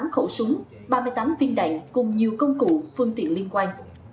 tám khẩu súng ba mươi tám viên đạn cùng nhiều công cụ phương tiện liên quan